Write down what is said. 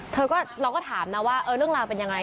เราก็ถามนะว่าเรื่องราวเป็นยังไง